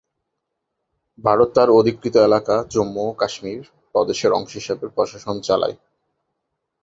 ভারত তার অধিকৃত এলাকা জম্মু ও কাশ্মীর প্রদেশের অংশ হিসেবে প্রশাসন চালায়।